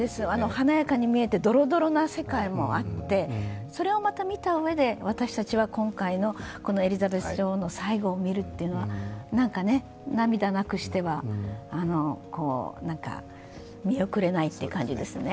華やかに見えて、ドロドロな世界もあって、それをまた見たうえで私たちは今回のエリザベス女王の最後を見るというのはなんか涙なくしては見送れないという感じですね。